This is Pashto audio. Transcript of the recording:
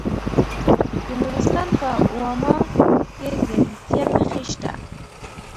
د نورستان په واما کې د لیتیم نښې شته.